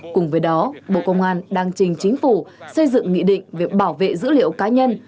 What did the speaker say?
cùng với đó bộ công an đang trình chính phủ xây dựng nghị định về bảo vệ dữ liệu cá nhân